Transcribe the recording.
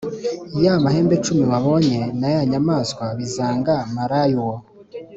Ya mahembe cumi wabonye na ya nyamaswabizanga maraya uwo,